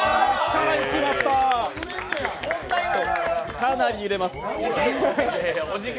かなり揺れます。